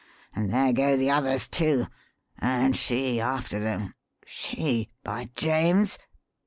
And there go the others, too. And she after them she, by James!